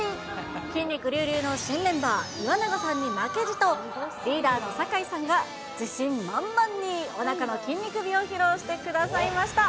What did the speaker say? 筋肉隆々の新メンバー、岩永さんに負けじと、リーダーの酒井さんが自信満々におなかの筋肉美を披露してくださいました。